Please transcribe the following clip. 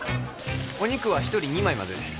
お肉は１人２枚までです